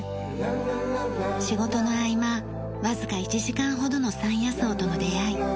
仕事の合間わずか１時間ほどの山野草との出合い。